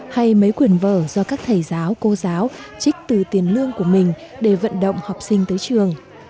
hay mấy quyền vở do các thầy giáo cô giáo trích từ tiền lương của mình để vận động học sinh tới trường